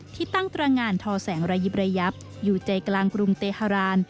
ที่ตั้งตรงานทอแสงระยิบระยับอยู่ใจกลางกรุงเตฮาราน